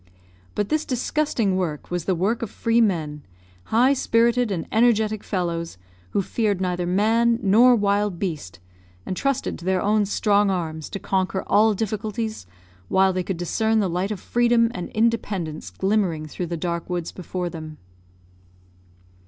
But this disgusting work was the work of freemen, high spirited and energetic fellows, who feared neither man nor wild beast, and trusted to their own strong arms to conquer all difficulties, while they could discern the light of freedom and independence glimmering through the dark woods before them.